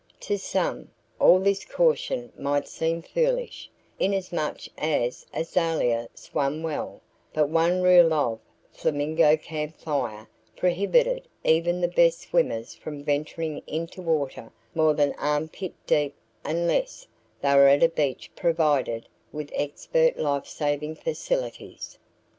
To some, all this caution might seem foolish, inasmuch as Azalia swam well, but one rule of, Flamingo Camp Fire prohibited even the best swimmers from venturing into water more than arm pit deep unless they were at a beach provided with expert life saving facilities.